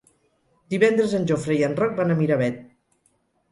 Divendres en Jofre i en Roc van a Miravet.